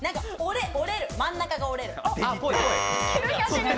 折れる、真ん中が折れる。